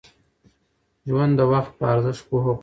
ژوند د وخت په ارزښت پوهه غواړي.